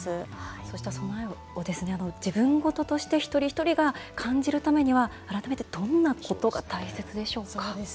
そうした備えを自分事として一人一人が感じるためには改めてどんなことが大切でしょうか。